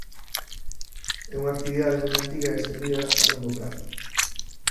É unha actividade moi antiga e estendida a longo prazo.